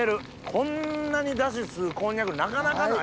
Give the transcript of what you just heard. こんなにダシ吸うこんにゃくなかなかないですよ。